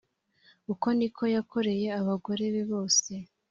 uko ni ko yakoreye abagore be bose